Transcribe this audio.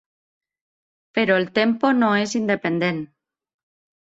Però el tempo no és independent!